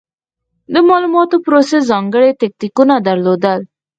د مالوماتو پروسس ځانګړې تکتیکونه درلودل.